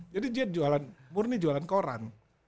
jadi dia jualan murni jualan koran